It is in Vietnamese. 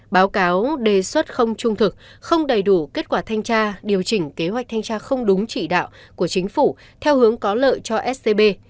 báo cáo đề xuất không trung thực không đầy đủ kết quả thanh tra điều chỉnh kế hoạch thanh tra không đúng chỉ đạo của chính phủ theo hướng có lợi cho scb